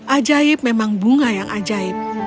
ajaib memang bunga yang ajaib